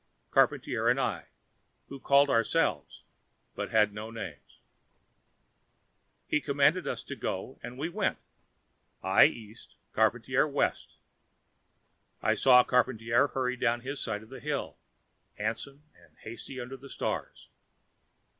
Charpantier and I, who called ourselves, but had no names. He commanded us to go and we went, I East, Charpantier West. I saw Charpantier hurry down his side of the hill, handsome and hasty under the stars.